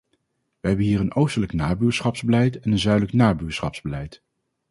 We hebben hier een oostelijk nabuurschapsbeleid en een zuidelijk nabuurschapsbeleid.